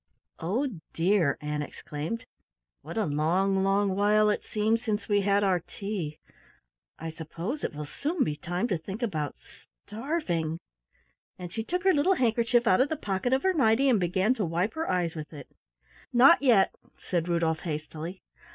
"Oh, dear," Ann exclaimed, "what a long, long while it seems since we had our tea! I suppose it will soon be time to think about starving." And she took her little handkerchief out of the pocket of her nighty and began to wipe her eyes with it. "Not yet," said Rudolf hastily.